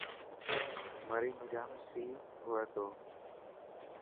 مري ۾ جام سي هئي ٿو.